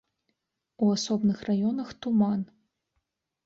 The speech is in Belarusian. У асобных раёнах туман.